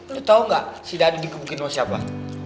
lu tau gak si dhani dikebukin sama siapa